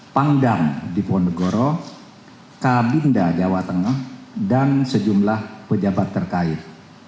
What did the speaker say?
pangdam diponegoro kabinda jawa tengah dan sejumlah pejabat terkait